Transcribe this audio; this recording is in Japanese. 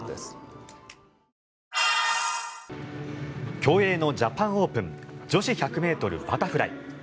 競泳のジャパンオープン女子１００ｍバタフライ。